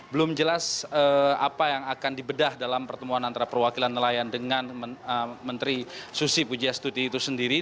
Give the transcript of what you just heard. belum jelas apa yang akan dibedah dalam pertemuan antara perwakilan nelayan dengan menteri susi pujiastuti itu sendiri